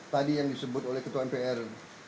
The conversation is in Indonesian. tadi yang disebut oleh ketua mpr